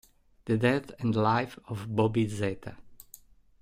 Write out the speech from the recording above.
The Death and Life of Bobby Z